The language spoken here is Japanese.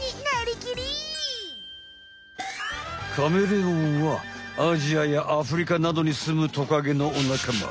カメレオンはアジアやアフリカなどにすむトカゲのおなかま。